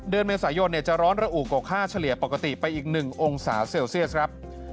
เดือนเมษายนจะร้อนระอุกว่าค่าเฉลี่ยปกติไปอีก๑องศาเซลเซียสครับ